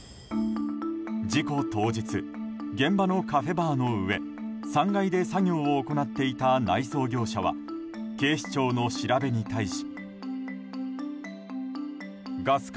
事故当日、現場のカフェバーの上３階で作業を行っていた内装業者は警視庁の調べに対し。